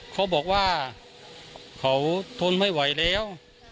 เขาบอกว่าเขาทนไม่ไหวแล้ว